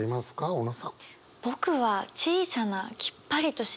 小野さん。